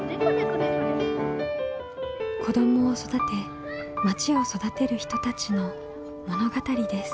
子どもを育てまちを育てる人たちの物語です。